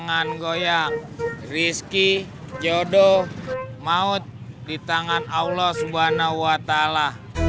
tangan goyang rizky jodoh maut di tangan allah subhanahuwata'ala